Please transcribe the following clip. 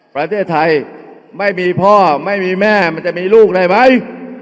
ประเทศไทยไม่มีพ่อไม่มีแม่มันจะมีลูกได้ไหม